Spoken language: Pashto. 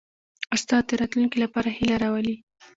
استاد د راتلونکي لپاره هیله راولي.